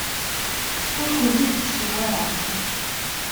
Ur kent-id-ttṣewwireɣ.